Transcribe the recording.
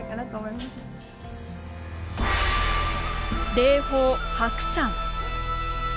霊峰、白山。